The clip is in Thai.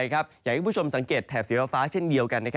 อยากให้ผู้ชมสังเกตแถบเสียเวลาฟ้าเช่นเดียวกัน